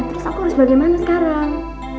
terus aku harus bagaimana sekarang